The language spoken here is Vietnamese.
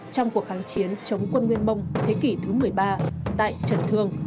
trong cuộc kháng chiến chống quân nguyên mông thế kỷ thứ một mươi ba tại trần thương